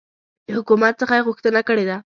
د حکومت څخه یي غوښتنه کړې ده